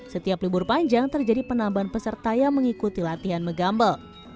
setiap libur panjang terjadi penambahan peserta yang mengikuti latihan megambel